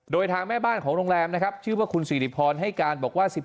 โดยทางแม่บ้านของโรงแรมนะครับชื่อว่าคุณสิริพรให้การบอกว่า